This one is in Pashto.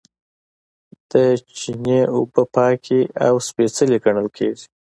د چینې اوبه پاکې او سپیڅلې ګڼل کیږي.